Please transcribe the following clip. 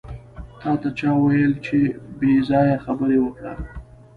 تاته چا وېل چې پې ځایه خبرې وکړه.